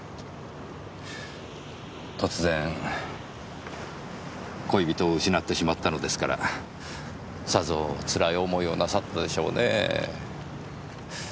突然恋人を失ってしまったのですからさぞつらい思いをなさったでしょうねぇ。